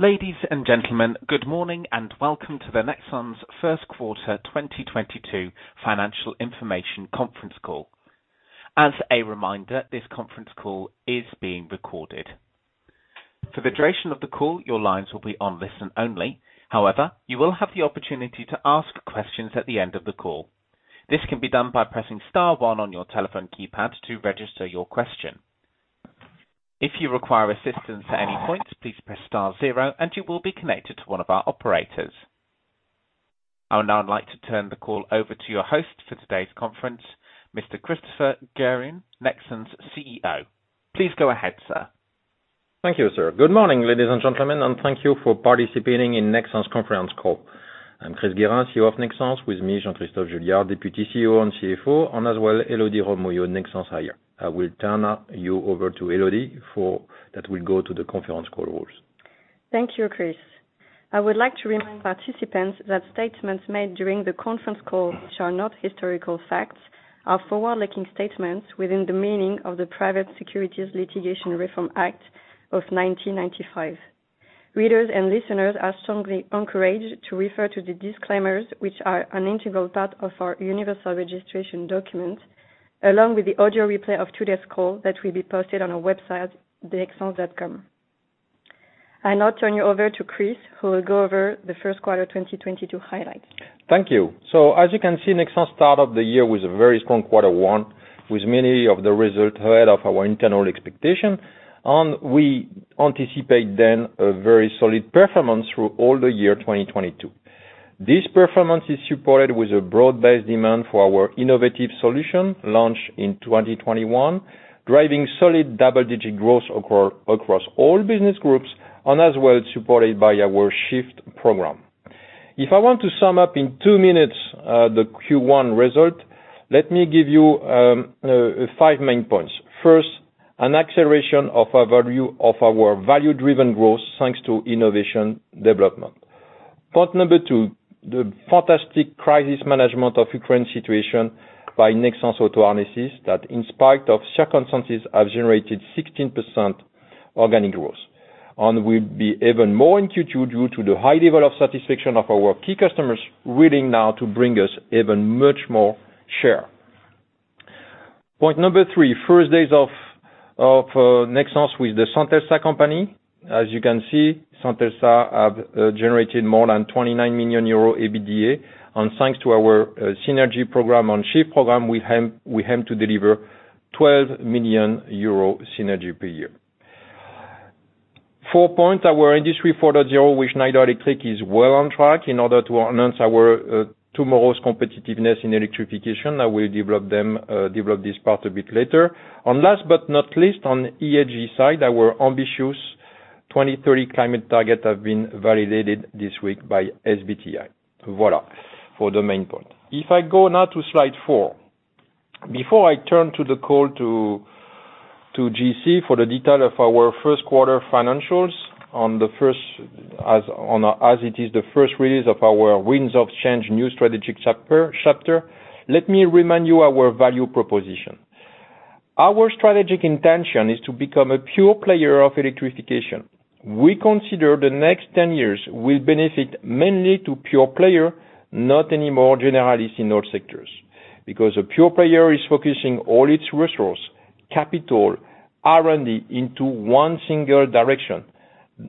Ladies and gentlemen, good morning, and welcome to the Nexans first quarter 2022 financial information conference call. As a reminder, this conference call is being recorded. For the duration of the call, your lines will be on listen only. However, you will have the opportunity to ask questions at the end of the call. This can be done by pressing star one on your telephone keypad to register your question. If you require assistance at any point, please press star zero and you will be connected to one of our operators. I would now like to turn the call over to your host for today's conference, Mr. Christopher Guérin, Nexans CEO. Please go ahead, sir. Thank you, sir. Good morning, ladies and gentlemen, and thank you for participating in Nexans conference call. I'm Chris Guérin, CEO of Nexans. With me, Jean-Christophe Juillard, Deputy CEO and CFO, and as well, Élodie Robbe-Mouillot, Nexans IR. I will now turn you over to Élodie, who will go over the conference call rules. Thank you, Chris. I would like to remind participants that statements made during the conference call which are not historical facts are forward-looking statements within the meaning of the Private Securities Litigation Reform Act of 1995. Readers and listeners are strongly encouraged to refer to the disclaimers which are an integral part of our universal registration document, along with the audio replay of today's call that will be posted on our website, nexans.com. I now turn you over to Chris, who will go over the first quarter 2022 highlights. Thank you. As you can see, Nexans started the year with a very strong quarter one, with many of the results ahead of our internal expectations, and we anticipate a very solid performance through all the year 2022. This performance is supported with a broad-based demand for our innovative solutions launched in 2021, driving solid double-digit growth across all business groups and as well supported by our SHIFT program. If I want to sum up in two minutes, the Q1 results, let me give you five main points. First, an acceleration of our value-driven growth thanks to innovation development. Point number two, the fantastic crisis management of Ukraine situation by Nexans Auto Harnesses that in spite of circumstances have generated 16% organic growth and will be even more in Q2 due to the high level of satisfaction of our key customers willing now to bring us even much more share. Point number three, first days of Nexans with the Centelsa company. As you can see, Centelsa have generated more than 29 million euro EBITDA. Thanks to our synergy program on SHIFT program, we aim to deliver 12 million euro synergy per year. Four points, our Industry 4.0 with Schneider Electric is well on track in order to enhance our tomorrow's competitiveness in electrification. I will develop this part a bit later. Last but not least, on ESG side, our ambitious 2030 climate target has been validated this week by SBTi. Voilà, for the main point. If I go now to slide four. Before I turn the call to JC for the detail of our first quarter financials, as it is the first release of our Winds of Change, new strategic chapter, let me remind you our value proposition. Our strategic intention is to become a pure player of electrification. We consider the next 10 years will benefit mainly to pure player, not anymore generalist in all sectors. Because a pure player is focusing all its resource, capital, R&D into one single direction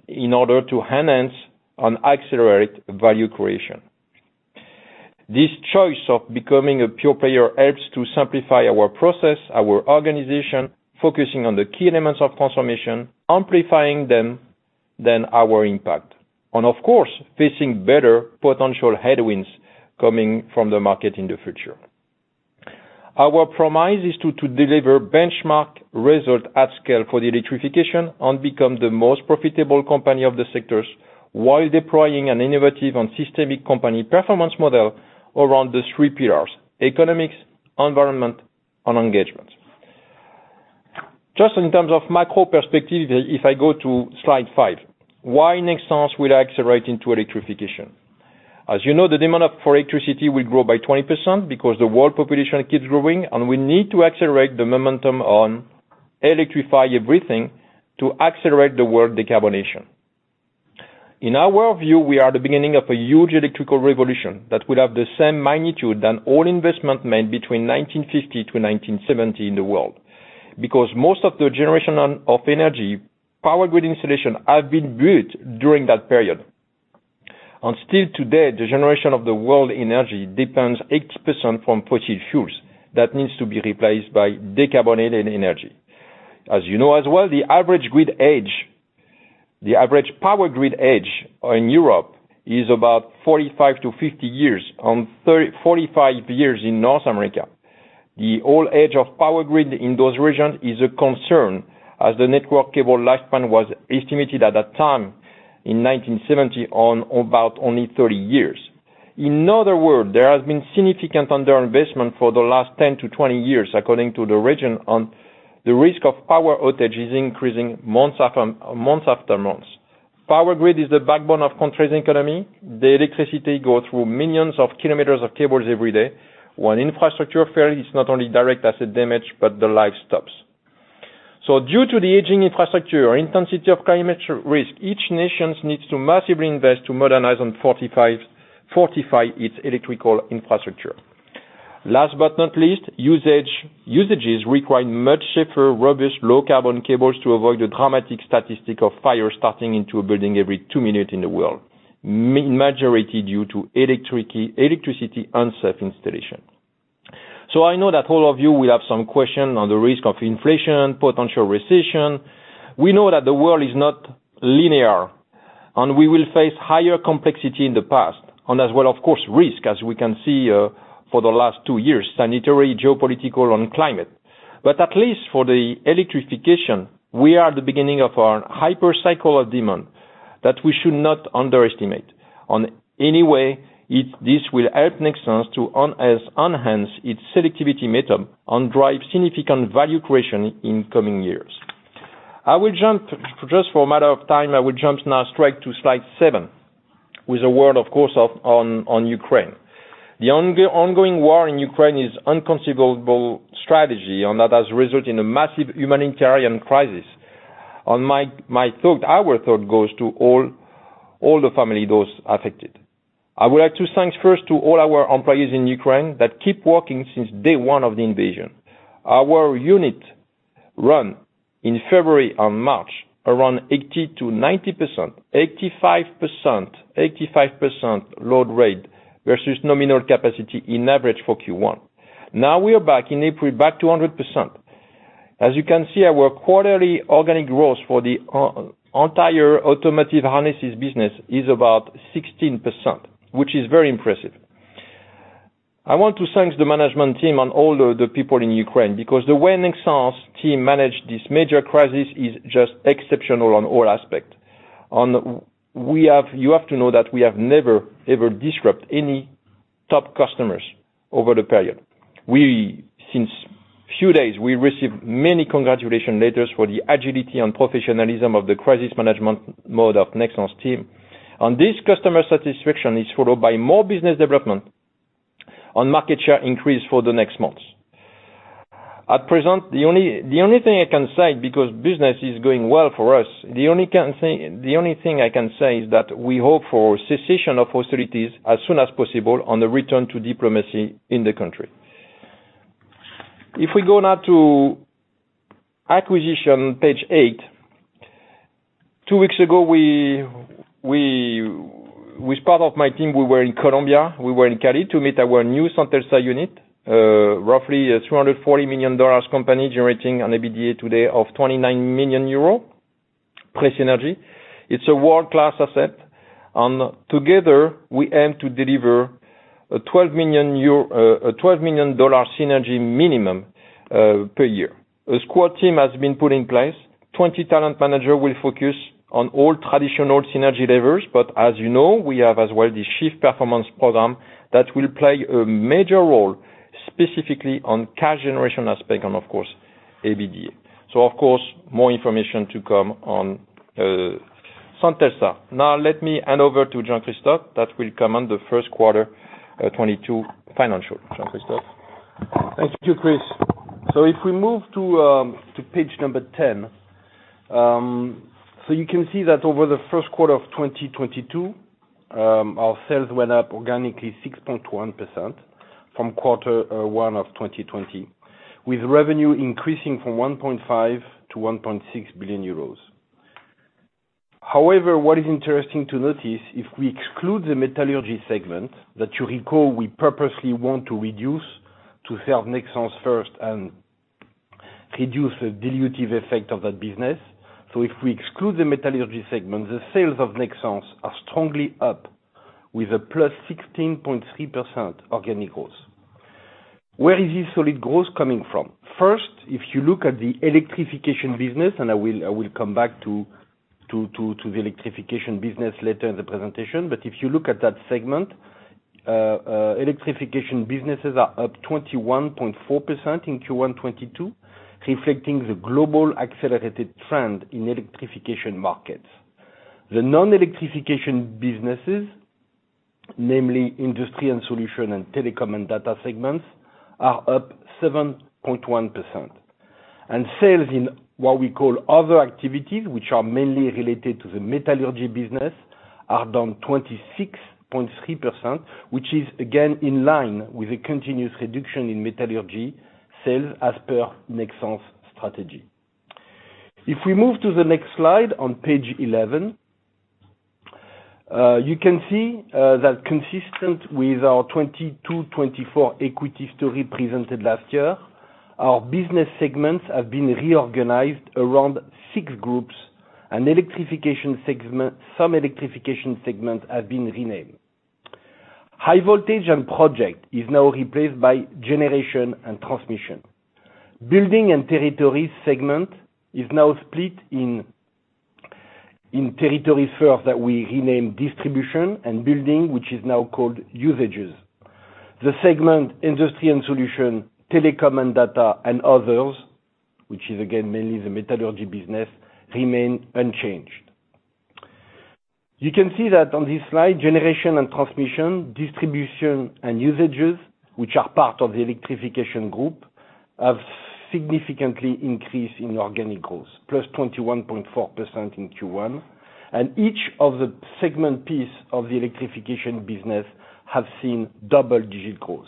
in order to enhance and accelerate value creation. This choice of becoming a pure player helps to simplify our process, our organization, focusing on the key elements of transformation, amplifying them, then our impact. Of course, facing better potential headwinds coming from the market in the future. Our promise is to deliver benchmark result at scale for the electrification and become the most profitable company of the sectors while deploying an innovative and systemic company performance model around these three pillars, economics, environment, and engagement. Just in terms of macro perspective, if I go to slide five, why Nexans will accelerate into electrification? As you know, the demand for electricity will grow by 20% because the world population keeps growing, and we need to accelerate the momentum on electrify everything to accelerate the world decarbonation. In our view, we are at the beginning of a huge electrical revolution that will have the same magnitude as all investments made between 1950 and 1970 in the world. Because most of the generation of energy, power grid installations have been built during that period. Still today, the generation of the world energy depends 8% from fossil fuels that needs to be replaced by decarbonated energy. As you know as well, the average grid age, the average power grid age in Europe is about 45-50 years, and 45 years in North America. The whole age of power grid in those regions is a concern, as the network cable lifespan was estimated at that time in 1970 at about only 30 years. In other words, there has been significant under-investment for the last 10-20 years according to the region, and the risk of power outage is increasing month after month. Power grid is the backbone of country's economy. The electricity go through millions of kilometers of cables every day. When infrastructure fail, it's not only direct asset damage, but the life stops. Due to the aging infrastructure intensity of climate risk, each nations needs to massively invest to modernize and fortify its electrical infrastructure. Last but not least, Usages require much safer, robust, low carbon cables to avoid the dramatic statistic of fire starting into a building every 2-minutes in the world. Majority due to electricity unsafe installation. I know that all of you will have some question on the risk of inflation, potential recession. We know that the world is not linear, and we will face higher complexity in the future and as well, of course, risk, as we can see, for the last two years, sanitary, geopolitical, and climate. At least for the electrification, we are at the beginning of our hyper cycle of demand that we should not underestimate. Anyway, this will help Nexans to enhance its selectivity and drive significant value creation in coming years. Just for a matter of time, I will jump now straight to slide seven, with a word, of course, on Ukraine. The ongoing war in Ukraine is an unconscionable tragedy, and that has resulted in a massive humanitarian crisis. Our thoughts go to all the families of those affected. I would like to thank first to all our employees in Ukraine that keep working since day one of the invasion. Our unit run in February and March around 80%-90%, 85% load rate versus nominal capacity in average for Q1. Now we are back in April, back to 100%. As you can see, our quarterly organic growth for the entire automotive harnesses business is about 16%, which is very impressive. I want to thank the management team and all the people in Ukraine because the way Nexans team managed this major crisis is just exceptional on all aspect. You have to know that we have never, ever disrupt any top customers over the period. Since few days, we received many congratulation letters for the agility and professionalism of the crisis management mode of Nexans team. This customer satisfaction is followed by more business development on market share increase for the next months. At present, the only thing I can say, because business is going well for us, is that we hope for cessation of hostilities as soon as possible on the return to diplomacy in the country. If we go now to acquisition, page eight. Two weeks ago, with part of my team, we were in Colombia. We were in Cali to meet our new Centelsa unit, roughly a $340 million company generating an EBITDA today of 29 million euro pre-synergy. It's a world-class asset, and together we aim to deliver a $12 million synergy minimum per year. A squad team has been put in place. The integration manager will focus on all traditional synergy levers. As you know, we have as well the SHIFT Performance program that will play a major role, specifically on cash generation aspect and of course EBITDA. Of course, more information to come on Centelsa. Now let me hand over to Jean-Christophe who will comment on the first quarter 2022 financial. Jean-Christophe? Thank you, Chris. If we move to page number 10, you can see that over the first quarter of 2022, our sales went up organically 6.1% from quarter one of 2020, with revenue increasing from 1.5 billion-1.6 billion euros. However, what is interesting to notice, if we exclude the metallurgy segment that you recall, we purposely want to reduce to sell Nexans first and reduce the dilutive effect of that business. If we exclude the metallurgy segment, the sales of Nexans are strongly up with a +16.3% organic growth. Where is this solid growth coming from? First, if you look at the electrification business, and I will come back to the electrification business later in the presentation, but if you look at that segment, electrification businesses are up 21.4% in Q1 2022, reflecting the global accelerated trend in electrification markets. The non-electrification businesses, namely Industry & Solutions and Telecom & Data segments, are up 7.1%. Sales in what we call other activities, which are mainly related to the metallurgy business, are down 26.3%, which is again in line with a continuous reduction in metallurgy sales as per Nexans strategy. If we move to the next slide on page 11, you can see that consistent with our 2022-2024 equity story presented last year, our business segments have been reorganized around six groups and electrification segments. Some electrification segments have been renamed. High Voltage & Projects is now replaced by Generation & Transmission. Building and Territories segment is now split in territories first that we rename Distribution and building, which is now called Usages. The segment Industry & Solutions, Telecom & Data and Others, which is again, mainly the metallurgy business remain unchanged. You can see that on this slide, Generation & Transmission, Distribution and Usages, which are part of the electrification group, have significantly increased in organic growth, +21.4% in Q1. Each of the segment piece of the electrification business have seen double-digit growth.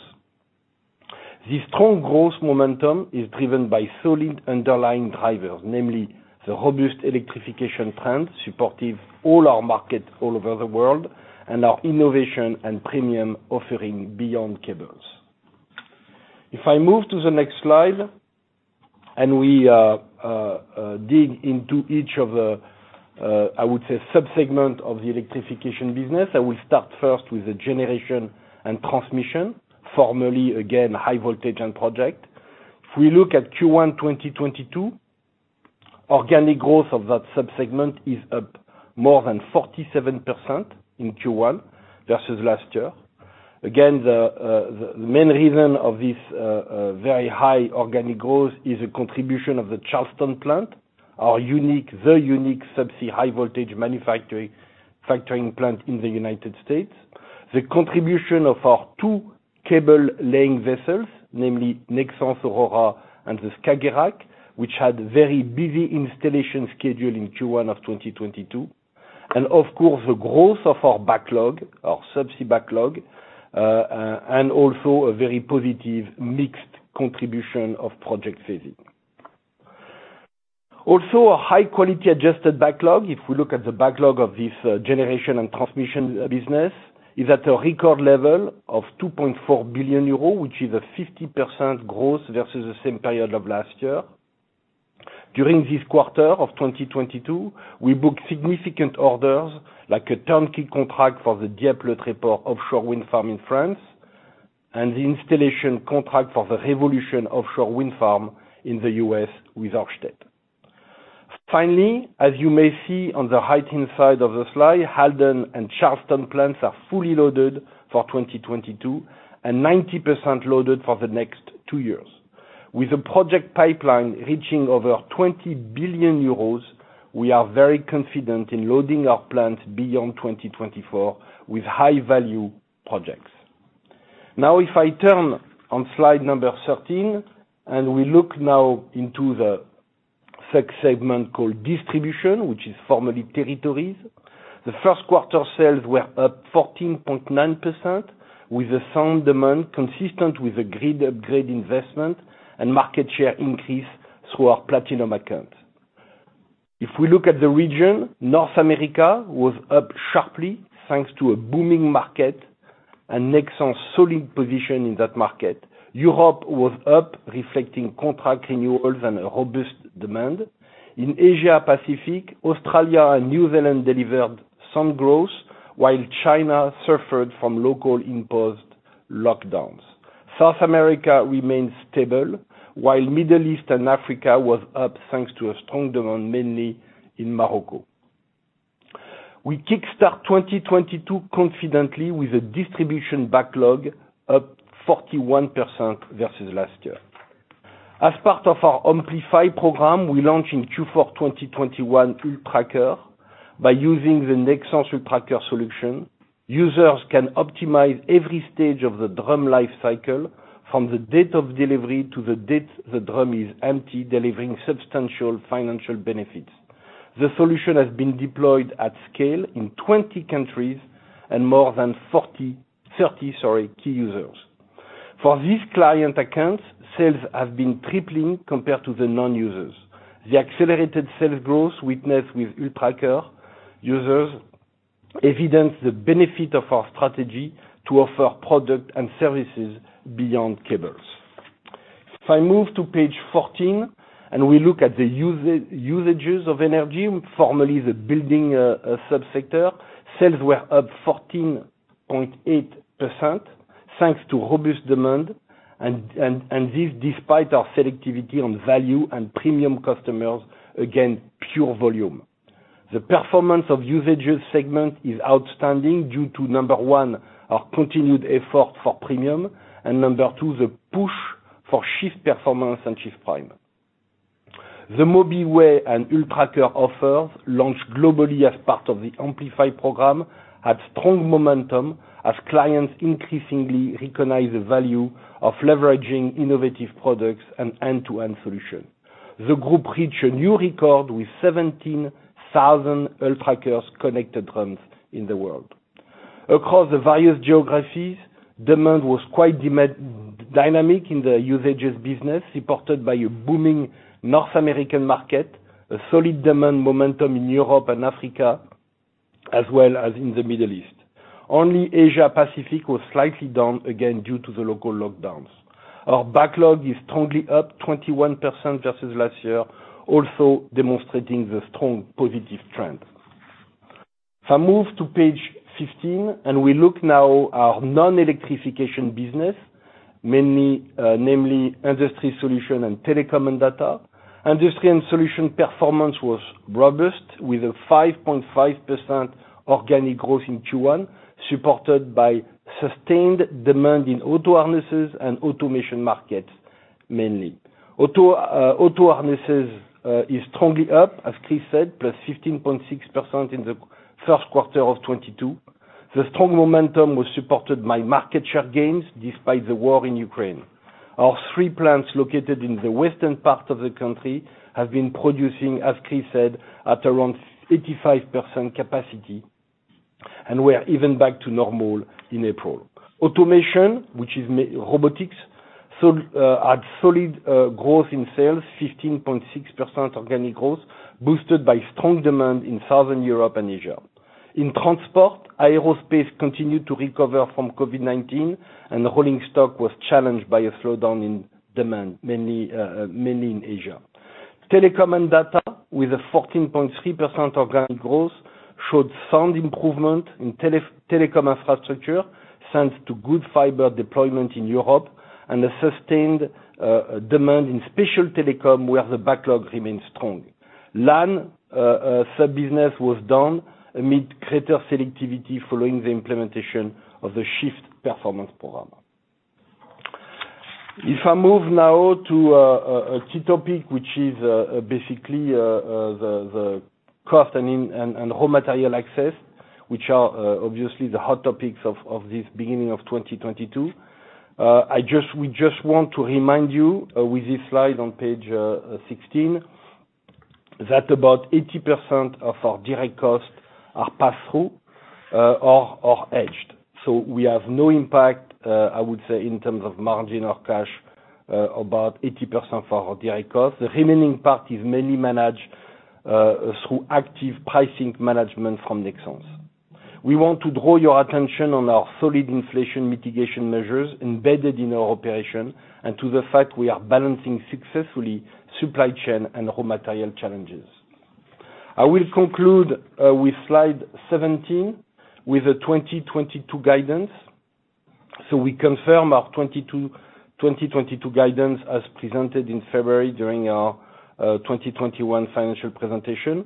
The strong growth momentum is driven by solid underlying drivers, namely the robust electrification trend, supporting all our markets all over the world, and our innovation and premium offering beyond cables. If I move to the next slide and we dig into each of the, I would say, sub-segment of the electrification business, I will start first with the Generation and Transmission, formerly again High Voltage & Projects. If we look at Q1 2022, organic growth of that sub-segment is up more than 47% in Q1 versus last year. The main reason of this very high organic growth is a contribution of the Charleston plant, the unique subsea high-voltage manufacturing plant in the United States. The contribution of our two cable laying vessels, namely Nexans Aurora and the Skagerrak, which had very busy installation schedule in Q1 of 2022. Of course, the growth of our backlog, our subsea backlog, and also a very positive mix contribution of project phasing. Also a high quality adjusted backlog. If we look at the backlog of this Generation & Transmission business, is at a record level of 2.4 billion euros, which is a 50% growth versus the same period of last year. During this quarter of 2022, we booked significant orders like a turnkey contract for the Dieppe Le Tréport offshore wind farm in France, and the installation contract for the Revolution Wind offshore wind farm in the U.S. with Ørsted. Finally, as you may see on the right-hand side of the slide, Halden and Charleston plants are fully loaded for 2022, and 90% loaded for the next two years. With a project pipeline reaching over 20 billion euros, we are very confident in loading our plants beyond 2024 with high value projects. Now if I turn on slide 13, and we look now into the segment called Distribution, which is formerly Territories. The first quarter sales were up 14.9% with a sound demand consistent with the grid upgrade investment and market share increase through our platinum account. If we look at the region, North America was up sharply thanks to a booming market and Nexans solid position in that market. Europe was up reflecting contract renewals and a robust demand. In Asia Pacific, Australia and New Zealand delivered some growth while China suffered from local imposed lockdowns. South America remains stable while Middle East and Africa was up thanks to a strong demand, mainly in Morocco. We kickstart 2022 confidently with a Distribution backlog up 41% versus last year. As part of our Amplify program, we launched in Q4 2021 ULTRACKER. By using the Nexans ULTRACKER solution, users can optimize every stage of the drum life cycle from the date of delivery to the date the drum is empty, delivering substantial financial benefits. The solution has been deployed at scale in 20 countries and more than 30 key users. For these client accounts, sales have been tripling compared to the non-users. The accelerated sales growth witnessed with ULTRACKER users evidence the benefit of our strategy to offer product and services beyond cables. If I move to page 14 and we look at the Usages of energy, formerly the building sub-sector, sales were up 14.8% thanks to robust demand, and this despite our selectivity on value and premium customers against pure volume. The performance of Usages segment is outstanding due to number one, our continued effort for premium, and number two, the push for SHIFT Performance and SHIFT Prime. The MOBIWAY and ULTRACKER offers launched globally as part of the Amplify program had strong momentum as clients increasingly recognize the value of leveraging innovative products and end-to-end solution. The group reached a new record with 17,000 ULTRACKER connected drums in the world. Across the various geographies, demand was quite dynamic in the Usages business, supported by a booming North American market, a solid demand momentum in Europe and Africa, as well as in the Middle East. Only Asia Pacific was slightly down, again, due to the local lockdowns. Our backlog is strongly up 21% versus last year, also demonstrating the strong positive trend. If I move to page 15, and we look now at our non-electrification business. Mainly, namely Industry & Solutions and Telecom & Data. Industry & Solutions performance was robust with a 5.5% organic growth in Q1, supported by sustained demand in Auto-harnesses and automation markets, mainly. Auto-harnesses is strongly up, as Chris said, +15.6% in the first quarter of 2022. The strong momentum was supported by market share gains despite the war in Ukraine. Our three plants located in the western part of the country have been producing, as Chris said, at around 85% capacity, and we are even back to normal in April. Automation, which is robotics, had solid growth in sales, 15.6% organic growth, boosted by strong demand in Southern Europe and Asia. In transport, aerospace continued to recover from COVID-19, and rolling stock was challenged by a slowdown in demand, mainly in Asia. Telecom and Data with a 14.3% organic growth showed sound improvement in telecom infrastructure, thanks to good fiber deployment in Europe and a sustained demand in special telecom where the backlog remains strong. LAN sub-business was down amid greater selectivity following the implementation of the SHIFT Performance program. If I move now to a key topic which is basically the cost and raw material access, which are obviously the hot topics of this beginning of 2022. We just want to remind you with this slide on page 16 that about 80% of our direct costs are passed through or are hedged. We have no impact, I would say in terms of margin or cash, about 80% for our direct costs. The remaining part is mainly managed through active pricing management from Nexans. We want to draw your attention on our solid inflation mitigation measures embedded in our operation and to the fact we are balancing successfully supply chain and raw material challenges. I will conclude with slide 17 with the 2022 guidance. We confirm our 2022 guidance as presented in February during our 2021 financial presentation.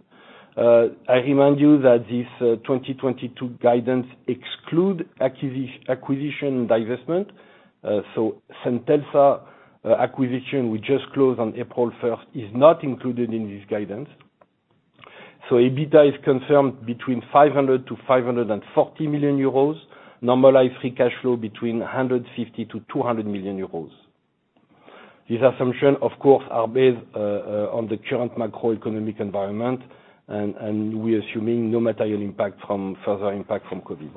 I remind you that this 2022 guidance exclude acquisition divestment. Centelsa acquisition we just closed on April 1 is not included in this guidance. EBITDA is confirmed between 500 million and 540 million euros, normalized free cash flow between 150 million and 200 million euros. These assumptions, of course, are based on the current macroeconomic environment, and we're assuming no material impact from further impact from COVID.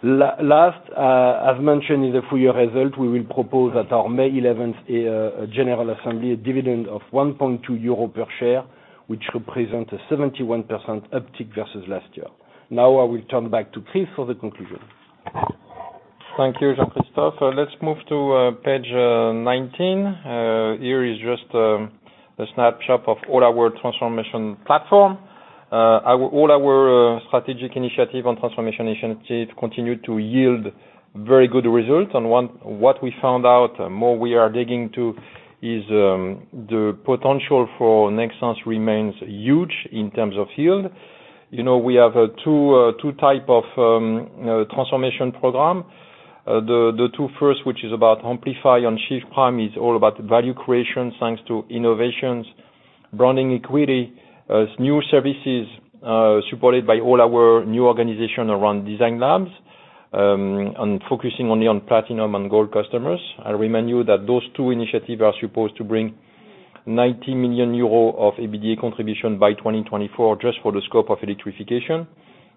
Last, as mentioned in the full-year result, we will propose at our May 11 general assembly a dividend of 1.2 euro per share, which represents a 71% uptick versus last year. Now I will turn back to Chris for the conclusion. Thank you, Jean-Christophe. Let's move to page 19. Here is just a snapshot of all our transformation platform. All our strategic initiative on transformation initiative continue to yield very good results. What we found out, the more we are digging into, is the potential for Nexans remains huge in terms of yield. You know, we have two types of transformation program. The two first, which is about Amplify and SHIFT Prime, is all about value creation, thanks to innovations, brand equity, new services, supported by all our new organization around Design Labs, and focusing only on platinum and gold customers. I remind you that those two initiatives are supposed to bring 90 million euros of EBITDA contribution by 2024 just for the scope of electrification.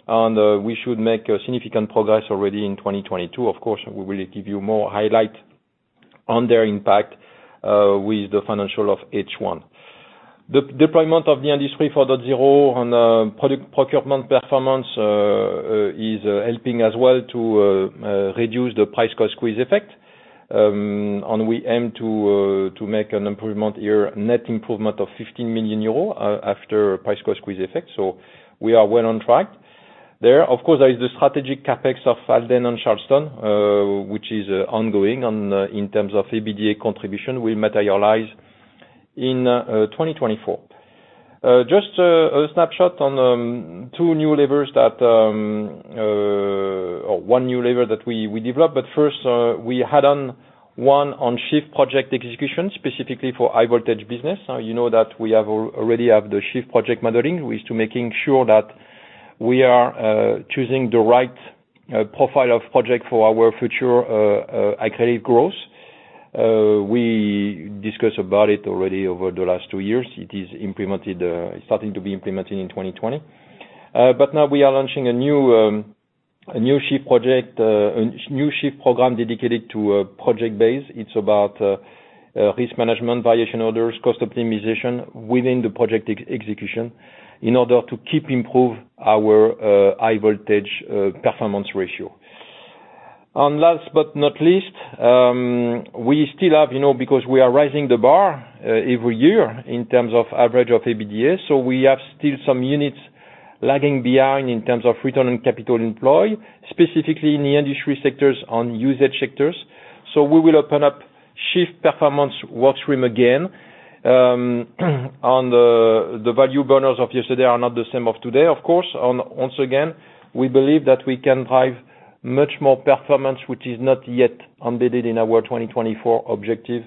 We should make significant progress already in 2022. Of course, we will give you more highlight on their impact with the financials of H1. The deployment of the Industry 4.0 on product procurement performance is helping as well to reduce the price cost squeeze effect. We aim to make an improvement here, net improvement of 15 million euros after price cost squeeze effect. We are well on track there. Of course, there is the strategic CapEx of Halden and Charleston, which is ongoing. In terms of EBITDA contribution will materialize in 2024. Just a snapshot on two new levers that or one new lever that we developed. First, we had one on SHIFT project execution, specifically for high voltage business. You know that we already have the SHIFT project modeling, which is to make sure that we are choosing the right profile of project for our future aggregate growth. We discuss about it already over the last two years. It is implemented, it's starting to be implemented in 2020. Now we are launching a new SHIFT project, a new SHIFT program dedicated to a project base. It's about risk management, variation orders, cost optimization within the project execution in order to keep improve our high voltage performance ratio. Last but not least, we still have, you know, because we are raising the bar every year in terms of average of EBITDA, so we have still some units lagging behind in terms of return on capital employed, specifically in the Industry & Solutions and Usages sectors. We will open up SHIFT Performance work stream again, on the value burners of yesterday are not the same of today, of course. Once again, we believe that we can drive much more performance, which is not yet embedded in our 2024 objective,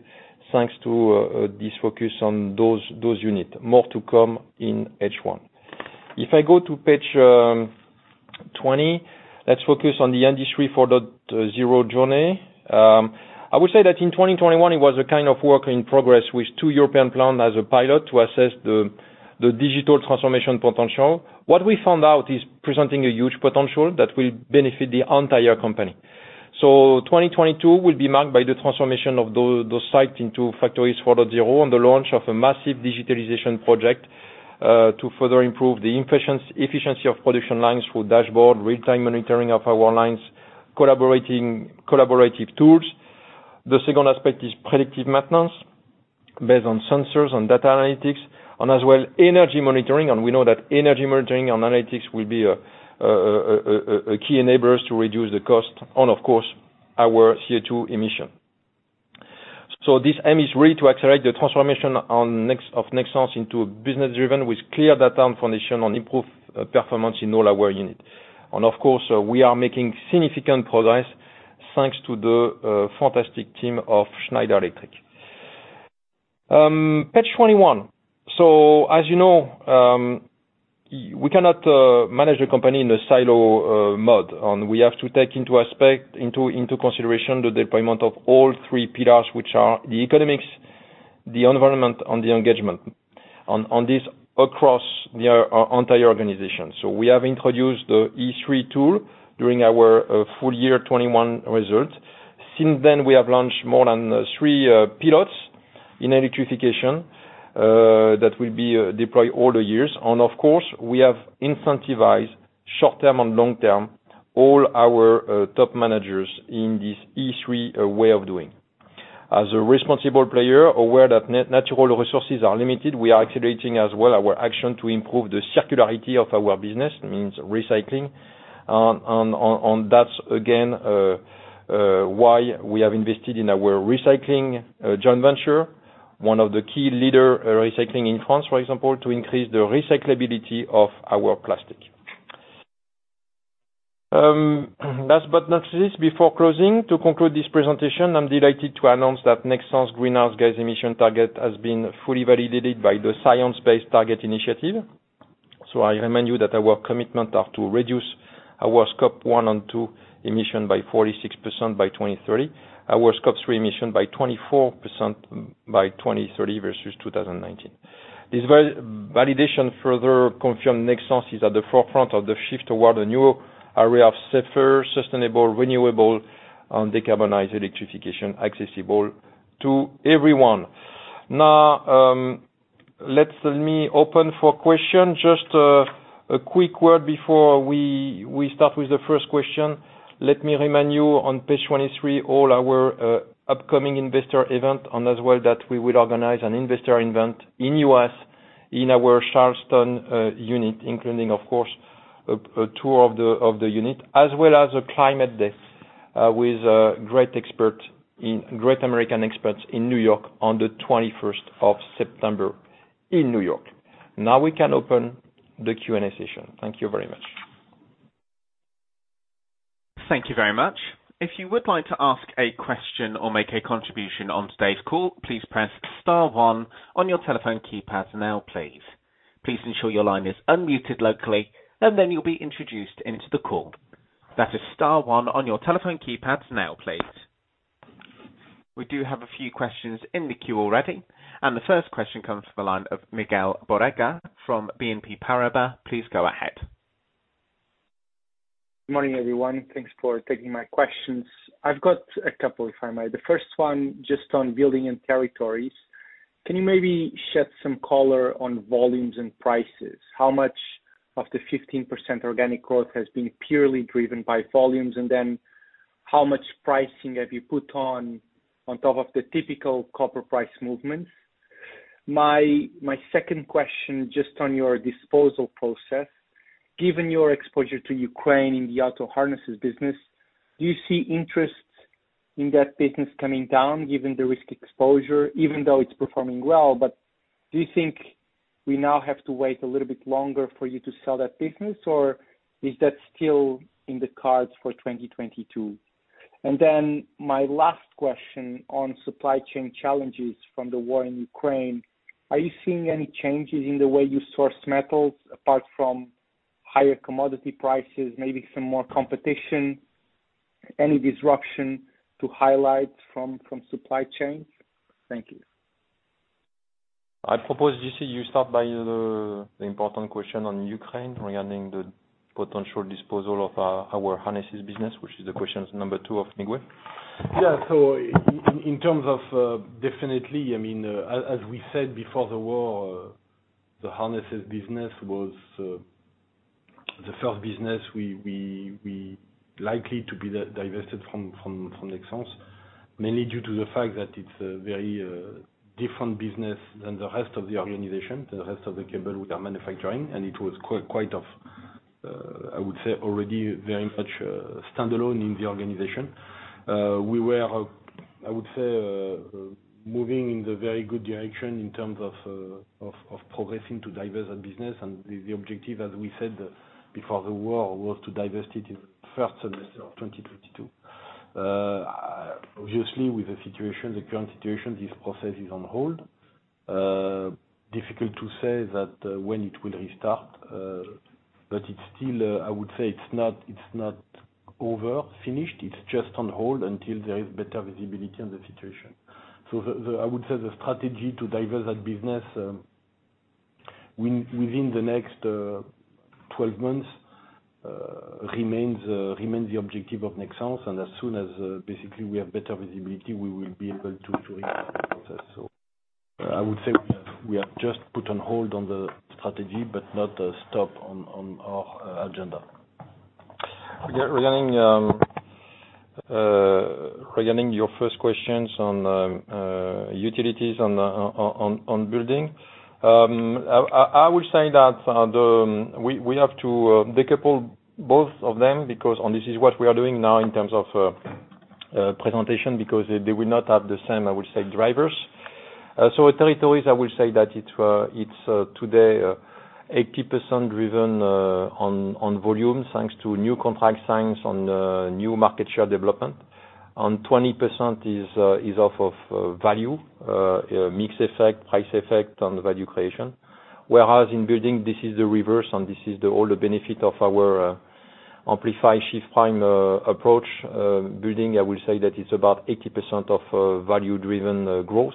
thanks to this focus on those units. More to come in H1. If I go to page 20, let's focus on the Industry 4.0 journey. I would say that in 2021 it was a kind of work in progress with two European plants as a pilot to assess the digital transformation potential. What we found out is presenting a huge potential that will benefit the entire company. 2022 will be marked by the transformation of those sites into factories 4.0, and the launch of a massive digitalization project to further improve the efficiency of production lines through dashboards, real-time monitoring of our lines, collaborative tools. The second aspect is predictive maintenance based on sensors and data analytics, and energy monitoring. We know that energy monitoring and analytics will be a key enablers to reduce the cost and of course our CO2 emission. This aim is really to accelerate the transformation of Nexans into business driven with clear data and foundation on improved performance in all our unit. Of course, we are making significant progress thanks to the fantastic team of Schneider Electric. Page 21. As you know, we cannot manage the company in a silo mode, and we have to take into consideration the deployment of all three pillars, which are the economics, the environment, and the engagement on this across the entire organization. We have introduced the E3 tool during our full year 2021 result. Since then we have launched more than three pilots in electrification that will be deployed all the years. Of course, we have incentivized short-term and long-term all our top managers in this E3 way of doing. As a responsible player, aware that natural resources are limited, we are accelerating as well our action to improve the circularity of our business, means recycling, and that's again why we have invested in our recycling joint venture, one of the key leaders in recycling in France, for example, to increase the recyclability of our plastic. Last but not least, before closing, to conclude this presentation, I'm delighted to announce that Nexans greenhouse gas emission target has been fully validated by the Science Based Targets initiative. I remind you that our commitment are to reduce our Scope one and two emission by 46% by 2030. Our Scope three emission by 24% by 2030 versus 2019. This validation further confirms Nexans is at the forefront of the shift toward a new array of safer, sustainable, renewable, and decarbonized electrification accessible to everyone. Now let me open for questions. Just a quick word before we start with the first question. Let me remind you on page 23 all our upcoming investor events and as well that we will organize an investor event in the U.S. in our Charleston unit, including of course a tour of the unit, as well as a climate day with great American experts in New York on the 21 of September in New York. Now we can open the Q&A session. Thank you very much. Thank you very much. If you would like to ask a question or make a contribution on today's call, please press star one on your telephone keypad now please. Please ensure your line is unmuted locally, and then you'll be introduced into the call. That is star one on your telephone keypads now, please. We do have a few questions in the queue already, and the first question comes from the line of Miguel Borrega from BNP Paribas. Please go ahead. Morning, everyone. Thanks for taking my questions. I've got a couple if I may. The first one just on Building and Territories. Can you maybe shed some color on volumes and prices? How much of the 15% organic growth has been purely driven by volumes, and then how much pricing have you put on top of the typical copper price movements? My second question, just on your disposal process. Given your exposure to Ukraine in the auto-harnesses business, do you see interest in that business coming down given the risk exposure? Even though it's performing well, but do you think we now have to wait a little bit longer for you to sell that business, or is that still in the cards for 2022? My last question on supply chain challenges from the war in Ukraine. Are you seeing any changes in the way you source metals apart from higher commodity prices? Maybe some more competition? Any disruption to highlight from supply chains? Thank you. I propose, JC, you start by the important question on Ukraine regarding the potential disposal of our auto-harnesses business, which is the question number two of Miguel. Yeah. In terms of, definitely, I mean, as we said before the war, the harnesses business was, The first business we likely to be divested from Nexans, mainly due to the fact that it's a very different business than the rest of the organization, the rest of the cable we are manufacturing. It was quite of, I would say already very much standalone in the organization. We were, I would say, moving in the very good direction in terms of of progressing to divest our business. The objective, as we said before the war, was to divest it in first semester of 2022. Obviously with the situation, the current situation, this process is on hold. Difficult to say that when it will restart, but it's still, I would say it's not over, finished, it's just on hold until there is better visibility on the situation. The strategy to diversify that business within the next 12-months remains the objective of Nexans. As soon as basically we have better visibility, we will be able to restart the process. I would say we have just put the strategy on hold, but not off our agenda. Regarding your first questions on utilities and building. I would say that we have to decouple both of them because this is what we are doing now in terms of presentation, because they will not have the same drivers. Territories, I would say that it's today 80% driven on volume, thanks to new contract signs on new market share development. 20% is of value, mix effect, price effect on the value creation. Whereas in Building this is the reverse and this is all the benefit of our Amplify, SHIFT Prime approach. Building, I will say that it's about 80% of value driven growth.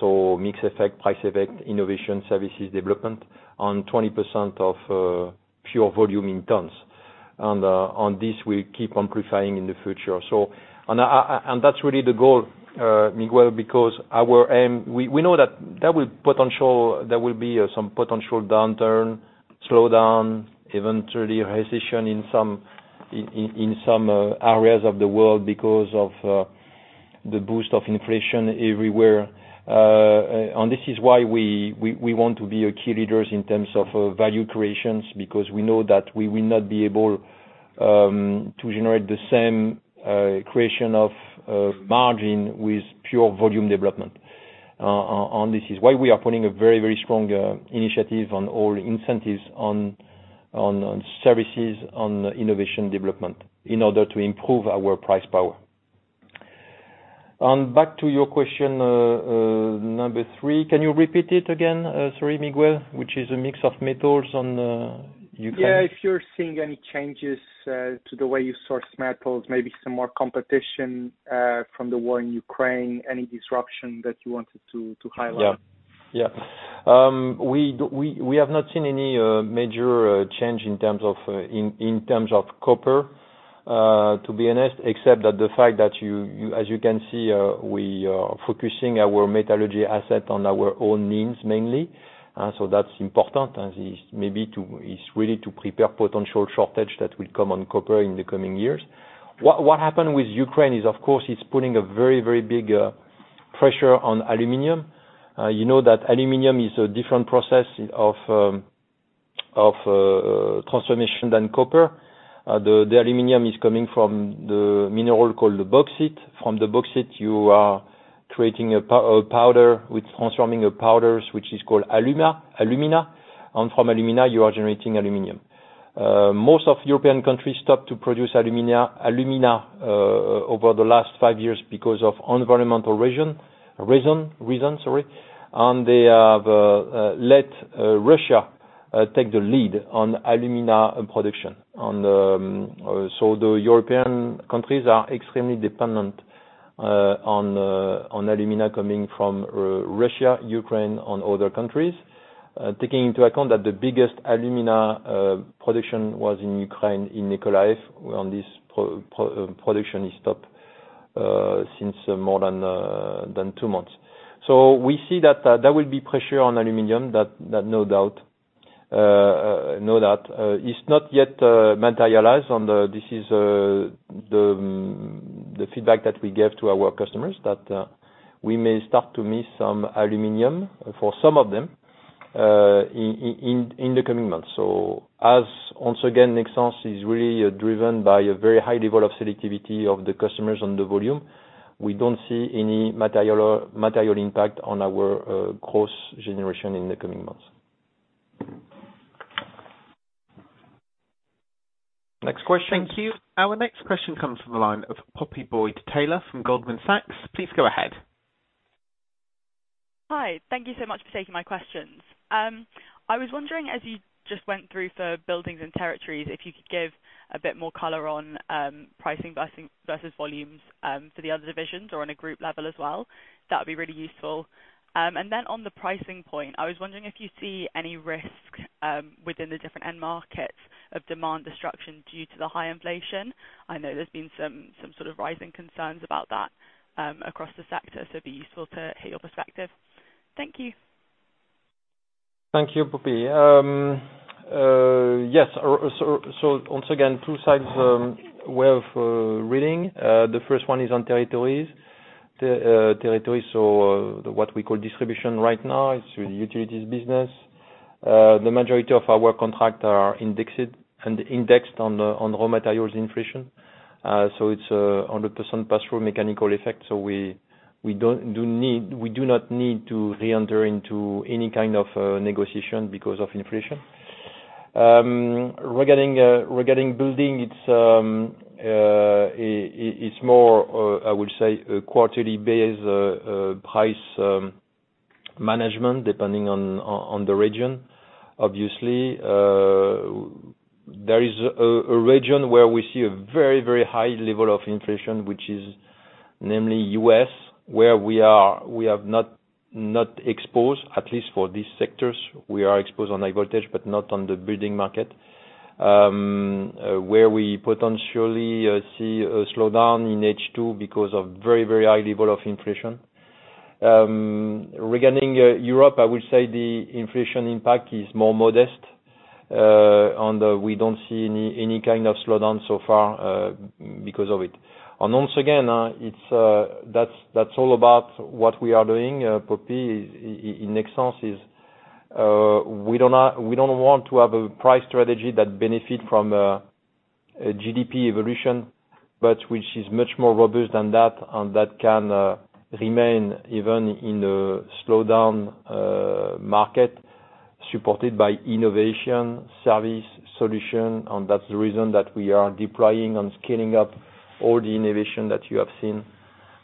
So mix effect, price effect, innovation services development on 20% of pure volume in tons. On this we keep amplifying in the future. That's really the goal, Miguel, because our aim, we know that there will be some potential downturn, slowdown, eventually recession in some areas of the world because of the boost of inflation everywhere. This is why we want to be a key leaders in terms of value creations, because we know that we will not be able to generate the same creation of margin with pure volume development. This is why we are putting a very strong initiative on all incentives on services, on innovation development in order to improve our price power. Back to your question, number three, can you repeat it again, sorry, Miguel, which is a mix of metals on Ukraine. Yeah. If you're seeing any changes to the way you source metals, maybe some more competition from the war in Ukraine, any disruption that you wanted to highlight. Yeah. Yeah. We have not seen any major change in terms of copper, to be honest. Except that the fact that, as you can see, we are focusing our metallurgy asset on our own needs mainly. So that's important to prepare potential shortage that will come on copper in the coming years. What happened with Ukraine is of course putting a very big pressure on aluminum. You know that aluminum is a different process of transformation than copper. The aluminum is coming from the mineral called bauxite. From the bauxite you are creating a powder with transforming a powder, which is called alumina. From alumina you are generating aluminum. Most European countries stopped producing alumina over the last five years because of environmental reasons, sorry. They have let Russia take the lead on alumina production. The European countries are extremely dependent on alumina coming from Russia, Ukraine, and other countries. Taking into account that the biggest alumina production was in Ukraine, in Mykolaiv, and this production is stopped since more than two months. We see that there will be pressure on aluminum, no doubt. It's not yet materialized, and this is the feedback that we gave to our customers, that we may start to miss some aluminum for some of them in the coming months. As once again, Nexans is really driven by a very high level of selectivity of the customers on the volume. We don't see any material impact on our growth generation in the coming months. Next question. Thank you. Our next question comes from the line of Poppy Boyd-Taylor from Goldman Sachs. Please go ahead. Hi. Thank you so much for taking my questions. I was wondering, as you just went through for buildings and territories, if you could give a bit more color on, pricing versus volumes, for the other divisions or on a group level as well. That would be really useful. And then on the pricing point, I was wondering if you see any risk, within the different end markets of demand destruction due to the high inflation. I know there's been some sort of rising concerns about that, across the sector, so it'd be useful to hear your perspective. Thank you. Thank you, Poppy. Yes. Or so, once again, two sides way of reading. The first one is on Territories, so what we call Distribution right now, it's the utilities business. The majority of our contracts are indexed and indexed on raw materials inflation. So it's 100% pass-through mechanical effect. We do not need to re-enter into any kind of negotiation because of inflation. Regarding Building, it's more, I would say, a quarterly based price management, depending on the region. Obviously, there is a region where we see a very high level of inflation, which is namely the U.S., where we are not exposed, at least for these sectors. We are exposed on high voltage, but not on the building market, where we potentially see a slowdown in H2 because of very, very high level of inflation. Regarding Europe, I would say the inflation impact is more modest on the whole, we don't see any kind of slowdown so far because of it. Once again, it's that's all about what we are doing, Poppy, in Nexans we don't want to have a price strategy that benefit from a GDP evolution, but which is much more robust than that, and that can remain even in the slowdown market supported by innovation, service, solution, and that's the reason that we are deploying and scaling up all the innovation that you have seen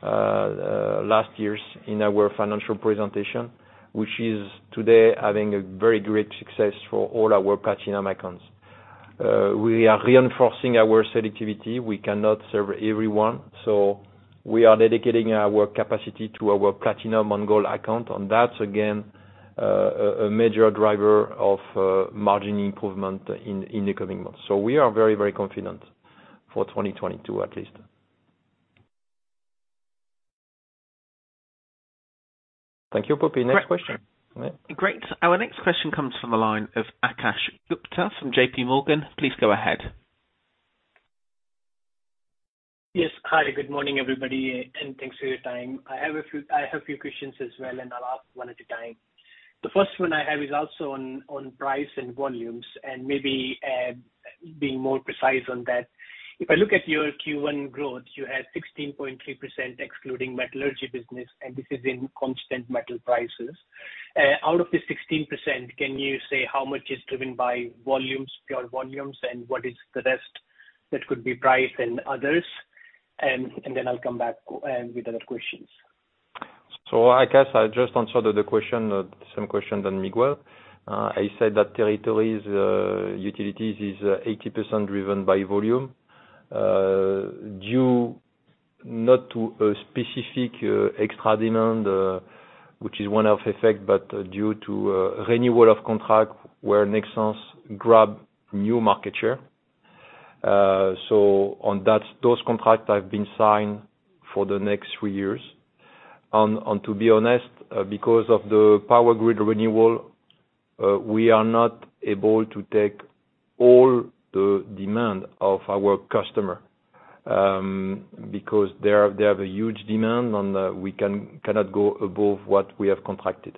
last year's in our financial presentation, which is today having a very great success for all our platinum accounts. We are reinforcing our selectivity. We cannot serve everyone. We are dedicating our capacity to our platinum and gold customers. That's again a major driver of margin improvement in the coming months. We are very, very confident for 2022 at least. Thank you, Poppy. Next question. Great. Our next question comes from the line of Akash Gupta from J.P. Morgan. Please go ahead. Yes. Hi, good morning, everybody, and thanks for your time. I have a few questions as well, and I'll ask one at a time. The first one I have is also on price and volumes, and maybe being more precise on that. If I look at your Q1 growth, you had 16.3% excluding metallurgy business, and this is in constant metal prices. Out of the 16%, can you say how much is driven by volumes, pure volumes, and what is the rest that could be price and others? I'll come back with other questions. I guess I just answered the question, same question as Miguel. I said that territories utilities is 80% driven by volume, due not to a specific extra demand which is one-off effect, but due to renewal of contract where Nexans grab new market share. On that, those contracts have been signed for the next three years. To be honest, because of the power grid renewal, we are not able to take all the demand of our customer, because they have a huge demand, and we cannot go above what we have contracted.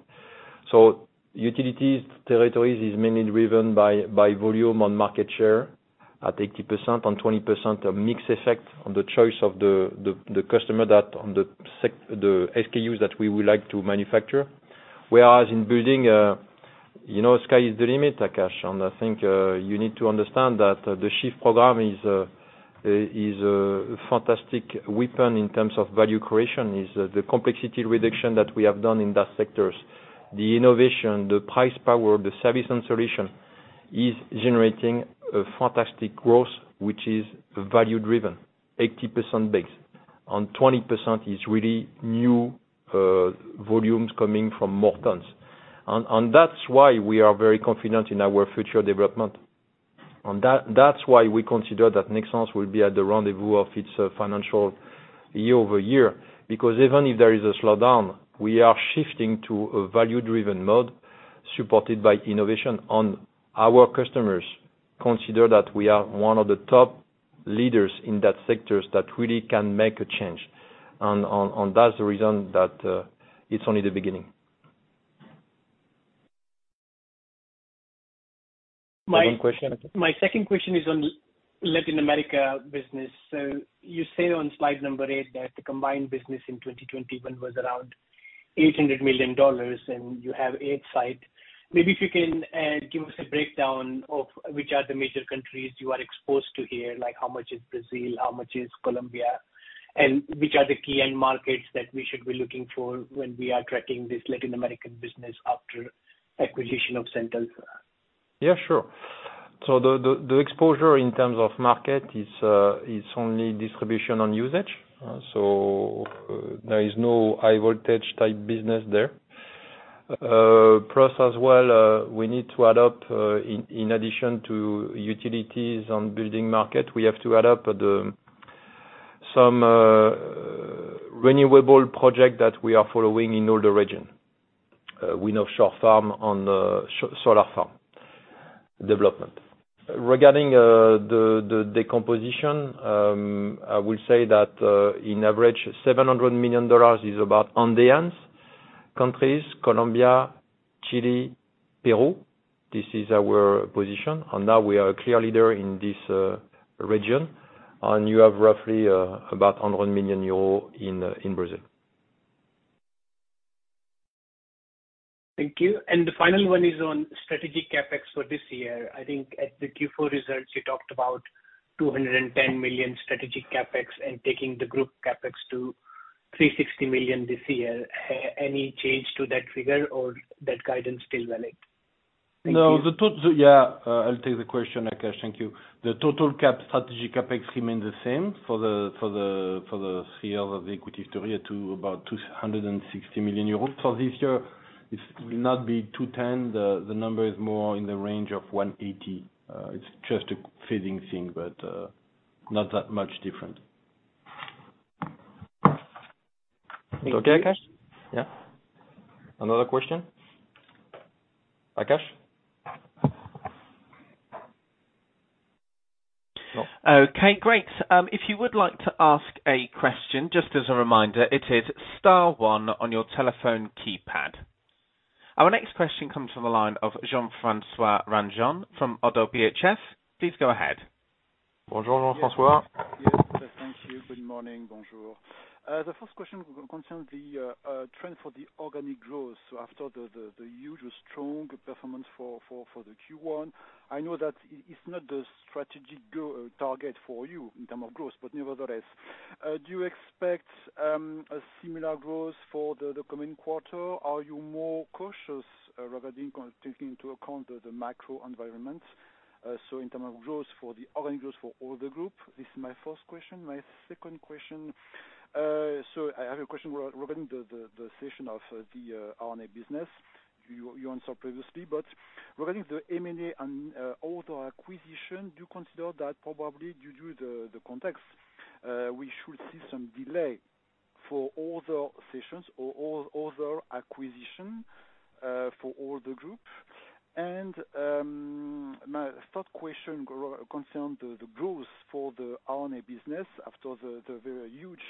Utilities territories is mainly driven by volume and market share at 80%, 20% a mix effect on the choice of the customer, the SKUs that we would like to manufacture. Whereas in building, sky is the limit, Akash. I think you need to understand that the SHIFT program is a fantastic weapon in terms of value creation, the complexity reduction that we have done in those sectors. The innovation, the pricing power, the service and solution is generating a fantastic growth, which is value driven, 80% base, and 20% is really new volumes coming from more tons. That's why we are very confident in our future development. That's why we consider that Nexans will be at the rendezvous of its financial year-over-year. Because even if there is a slowdown, we are shifting to a value-driven mode supported by innovation. Our customers consider that we are one of the top leaders in those sectors that really can make a change. That's the reason it's only the beginning. One question, Akash? My second question is on Latin America business. You say on slide number eight that the combined business in 2021 was around $800 million, and you have eight sites. Maybe if you can give us a breakdown of which are the major countries you are exposed to here, like how much is Brazil, how much is Colombia, and which are the key end markets that we should be looking for when we are tracking this Latin American business after acquisition of Centelsa. Yeah, sure. The exposure in terms of market is only Distribution and Usages. There is no high-voltage-type business there. Plus as well, we need to add up in addition to utilities and building market, we have to add up some renewable project that we are following in all the region. Offshore farm and solar farm development. Regarding the decomposition, I will say that on average $700 million is about Andean countries, Colombia, Chile, Peru. This is our position. Now we are a clear leader in this region. You have roughly about 100 million euro in Brazil. Thank you. The final one is on strategic CapEx for this year. I think at the Q4 results, you talked about 210 million strategic CapEx and taking the group CapEx to 360 million this year. Any change to that figure or that guidance still valid? Thank you. I'll take the question, Akash. Thank you. The total strategic CapEx remains the same for the full equity story to about 260 million euros. This year it will not be 210 million, the number is more in the range of 180 million. It's just a phasing thing, but not that much different. Thank you. Okay, Akash? Yeah. Another question? Akash? No. Okay, great. If you would like to ask a question, just as a reminder, it is star one on your telephone keypad. Our next question comes from the line of Jean-François Granjon from ODDO BHF. Please go ahead. Bonjour, Jean-François. Yes. Yes, thank you. Good morning. Bonjour. The first question concerns the trend for the organic growth. After the usual strong performance for the Q1, I know that it's not the strategic goal target for you in terms of growth, but nevertheless, do you expect a similar growth for the coming quarter? Are you more cautious regarding taking into account the macro environment? In terms of growth for the organic growth for all the group? This is my first question. My second question. I have a question regarding the cession of the Auto-harnesses business. You answered previously, but regarding the M&A and other acquisition, do you consider that probably due to the context, we should see some delay for all the acquisitions or all the acquisition for all the group? My third question concerns the growth for the Auto-harnesses business after the very huge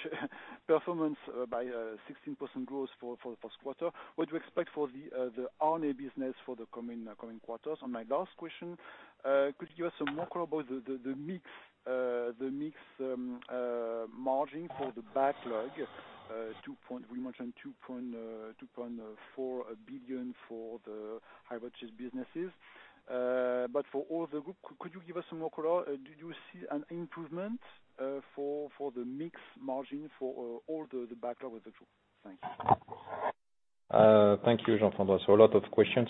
performance by 16% growth for the first quarter. What do you expect for the Auto-harnesses business for the coming quarters? My last question, could you give us some more color about the mix margin for the backlog, two point four billion we mentioned for the high voltage businesses. But for all the group, could you give us some more color? Did you see an improvement for the mix margin for all the backlog with the group? Thank you. Thank you, Jean-François. A lot of questions.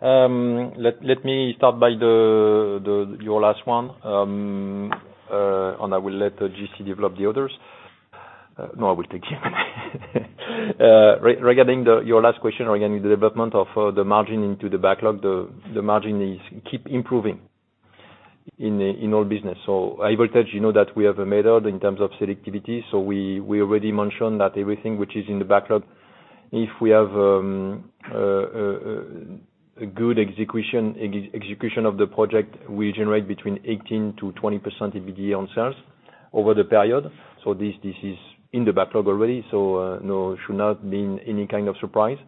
Let me start by your last one. I will let JC develop the others. No, I will take them. Regarding your last question regarding the development of the margin into the backlog, the margin keeps improving in all business. High Voltage, you know that we have a method in terms of selectivity. We already mentioned that everything which is in the backlog, if we have a good execution of the project, we generate between 18%-20% EBITDA on sales over the period. This is in the backlog already. No, should not be any kind of surprise.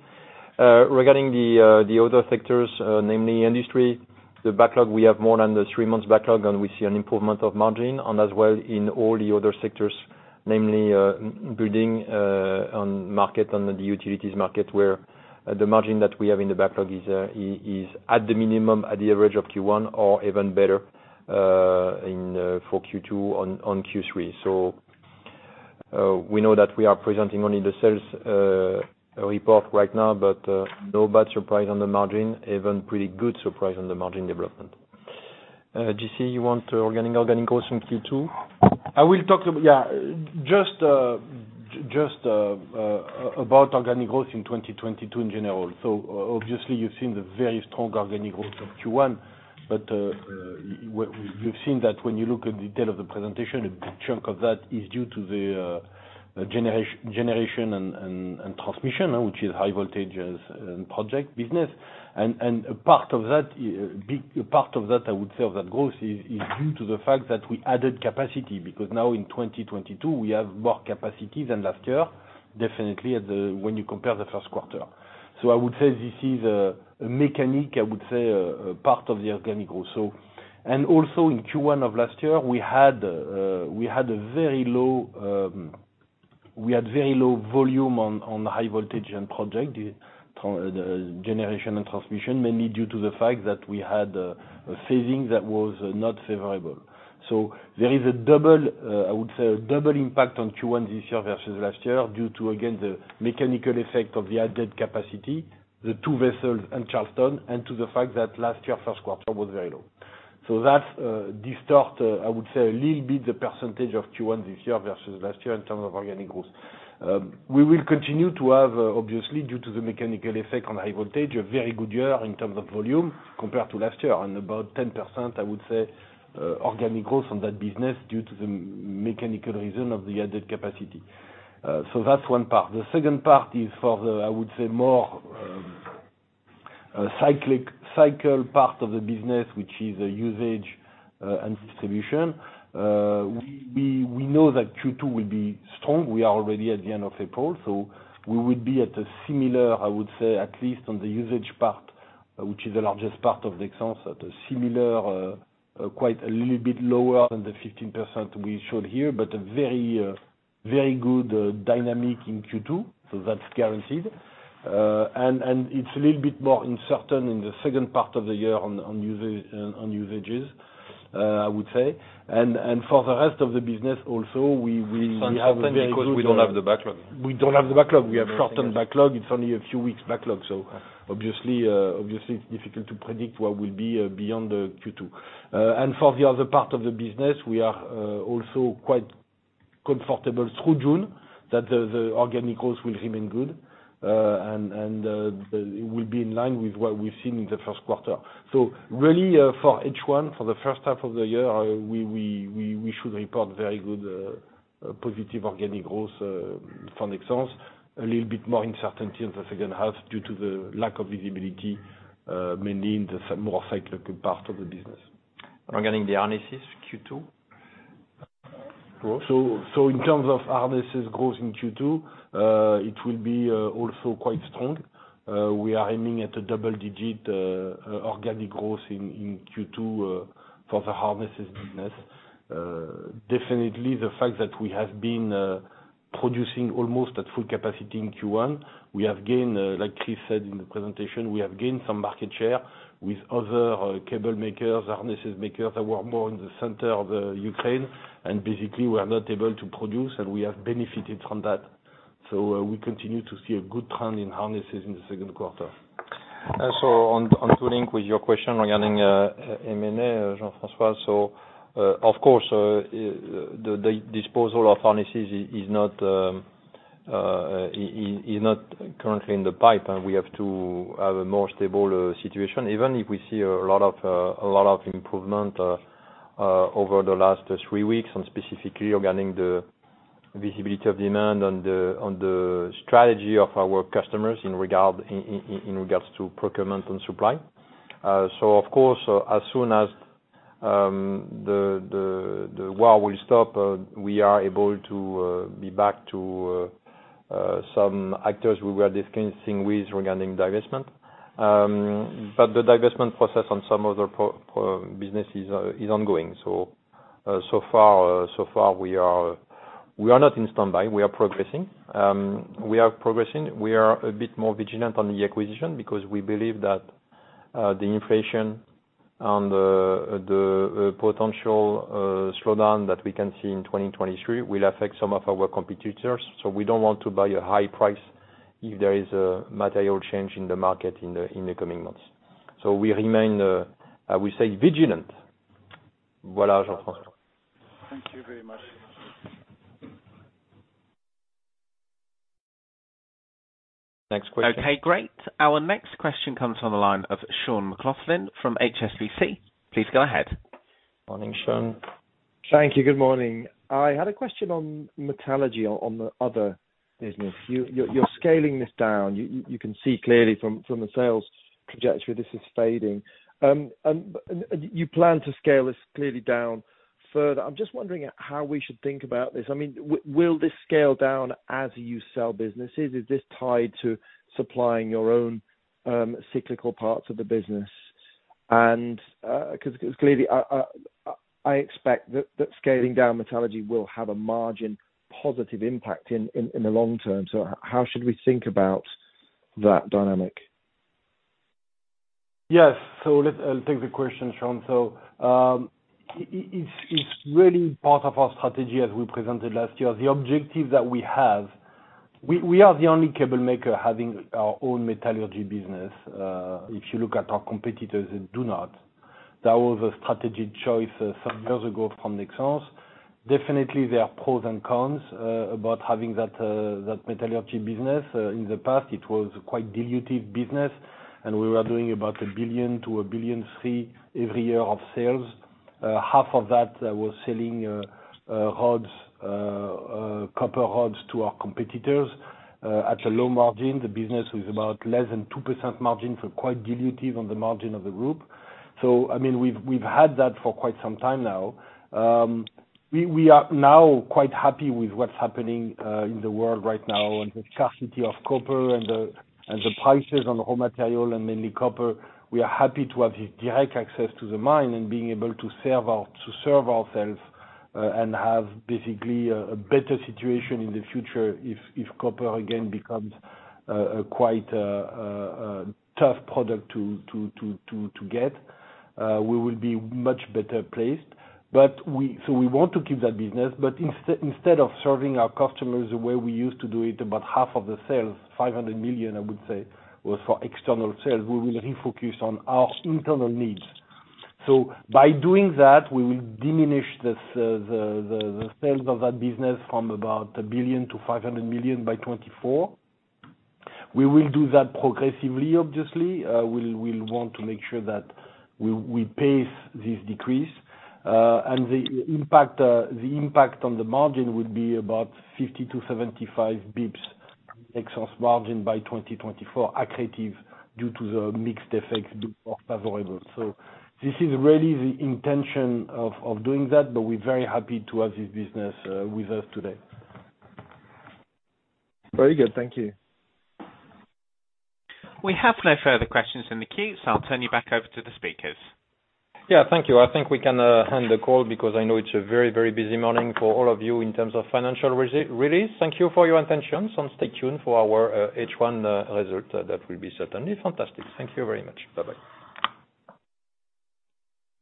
Regarding the other sectors, namely Industry, the backlog, we have more than three months backlog, and we see an improvement of margin and as well in all the other sectors, namely Building, on market, on the utilities market, where the margin that we have in the backlog is at the minimum, at the average of Q1 or even better, in for Q2 on Q3. We know that we are presenting only the sales report right now, but no bad surprise on the margin. Even pretty good surprise on the margin development. JC, you want organic growth from Q2? I will talk, yeah, just about organic growth in 2022 in general. Obviously you've seen the very strong organic growth of Q1, but we've seen that when you look at detail of the presentation, a big chunk of that is due to the Generation & Transmission, which is high voltage and projects business. A part of that, big part of that, I would say, of that growth is due to the fact that we added capacity, because now in 2022, we have more capacity than last year, definitely when you compare the first quarter. I would say this is a mechanical part of the organic growth. Also in Q1 of last year, we had very low volume on High Voltage and Projects, the Generation & Transmission, mainly due to the fact that we had a phasing that was not favorable. There is a double impact on Q1 this year versus last year due to, again, the mechanical effect of the added capacity, the two vessels and Charleston, and to the fact that last year first quarter was very low. That distorts a little bit the percentage of Q1 this year versus last year in terms of organic growth. We will continue to have, obviously due to the mechanical effect on high voltage, a very good year in terms of volume compared to last year. About 10% I would say, organic growth on that business due to the mechanical reason of the added capacity. That's one part. The second part is for the, I would say more cyclic part of the business, which is the Usages and Distribution. We know that Q2 will be strong. We are already at the end of April, so we will be at a similar I would say at least on the Usages part, which is the largest part of Nexans, at a similar, quite a little bit lower than the 15% we showed here, but a very good dynamic in Q2, so that's guaranteed. It's a little bit more uncertain in the second part of the year on Usages, I would say. For the rest of the business also, we have a very good- Because we don't have the backlog. We don't have the backlog. We have shortened backlog. It's only a few weeks backlog. Obviously it's difficult to predict what will be beyond the Q2. For the other part of the business, we are also quite comfortable through June that the organic growth will remain good. It will be in line with what we've seen in the first quarter. Really, for H1, for the first half of the year, we should report very good positive organic growth from Nexans. A little bit more uncertainty in the second half due to the lack of visibility, mainly in the more cyclical part of the business. Regarding the harnesses Q2 growth. In terms of harnesses growth in Q2, it will be also quite strong. We are aiming at a double-digit organic growth in Q2 for the harnesses business. Definitely the fact that we have been producing almost at full capacity in Q1, we have gained, like Chris said in the presentation, we have gained some market share with other cable makers, harnesses makers that were more in the center of Ukraine. Basically we are not able to produce, and we have benefited from that. We continue to see a good trend in harnesses in the second quarter. On to link with your question regarding M&A, Jean-François. Of course, the disposal of harnesses is not currently in the pipeline, and we have to have a more stable situation, even if we see a lot of improvement over the last three weeks and specifically regarding the visibility of demand and on the strategy of our customers in regards to procurement and supply. Of course, as soon as the war will stop, we are able to be back to some actors we were discussing with regarding divestment. But the divestment process on some other business is ongoing. So far, we are not on standby. We are progressing. We are a bit more vigilant on the acquisition because we believe that the inflation and the potential slowdown that we can see in 2023 will affect some of our competitors. We don't want to buy at a high price if there is a material change in the market in the coming months. We remain, I will say, vigilant. Thank you very much. Next question. Okay, great. Our next question comes on the line of Sean McLoughlin from HSBC. Please go ahead. Morning, Sean. Thank you. Good morning. I had a question on metallurgy on the other business. You're scaling this down. You can see clearly from the sales trajectory this is fading. You plan to scale this clearly down further. I'm just wondering how we should think about this. I mean, will this scale down as you sell businesses? Is this tied to supplying your own cyclical parts of the business? Because clearly I expect that scaling down metallurgy will have a margin positive impact in the long term. How should we think about that dynamic? Yes. I'll take the question, Sean. It's really part of our strategy as we presented last year. The objective that we have, we are the only cable maker having our own metallurgy business. If you look at our competitors, they do not. That was a strategic choice some years ago from Nexans. Definitely there are pros and cons about having that metallurgy business. In the past, it was quite dilutive business, and we were doing about 1 billion-1.3 billion every year of sales. Half of that was selling rods, copper rods to our competitors at a low margin. The business was about less than 2% margin, so quite dilutive on the margin of the group. I mean, we've had that for quite some time now. We are now quite happy with what's happening in the world right now and the scarcity of copper and the prices on the raw material and mainly copper. We are happy to have the direct access to the mine and being able to serve ourselves and have basically a better situation in the future if copper again becomes a quite tough product to get. We will be much better placed, but we want to keep that business, but instead of serving our customers the way we used to do it, about half of the sales, 500 million I would say was for external sales, we will refocus on our internal needs. By doing that, we will diminish the sales of that business from about 1 billion-500 million by 2024. We will do that progressively, obviously. We'll want to make sure that we pace this decrease. The impact on the margin would be about 50-75 basis points EBITDA margin by 2024 accretive due to the mixed effects of variable. This is really the intention of doing that, but we're very happy to have this business with us today. Very good. Thank you. We have no further questions in the queue, so I'll turn you back over to the speakers. Yeah. Thank you. I think we can end the call because I know it's a very, very busy morning for all of you in terms of financial results release. Thank you for your attention and stay tuned for our H1 result. That will be certainly fantastic. Thank you very much. Bye-bye.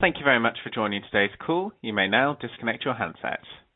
Thank you very much for joining today's call. You may now disconnect your handsets.